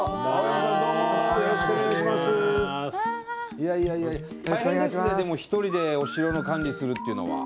いやいやいや大変ですねでも一人でお城の管理するっていうのは。